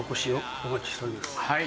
お待ちしております。